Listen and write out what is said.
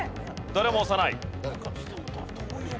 誰も押さない。